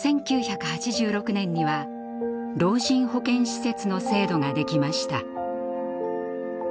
１９８６年には「老人保健施設」の制度ができました。